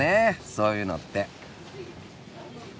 そういうのって。